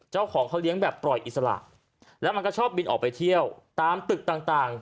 เจ้าของเขาเลี้ยงแบบปล่อยอิสระแล้วมันก็ชอบบินออกไปเที่ยวตามตึกต่าง